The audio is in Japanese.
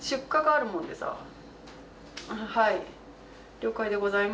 了解でございます。